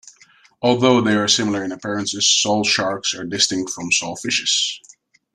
Although they are similar in appearances, sawsharks are distinct from sawfishes.